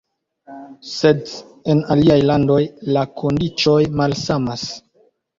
Sed en aliaj landoj la kondiĉoj malsamas.